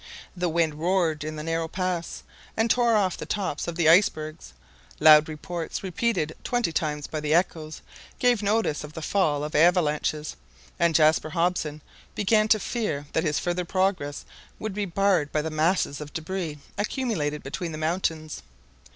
The wind roared in the narrow pass, and tore off the tops of the icebergs. Loud reports, repeated twenty times by the echoes, gave notice of the fall of avalanches, and Jaspar Hobson began to fear that his further progress would be barred by the masses of debris accumulated between the mountains.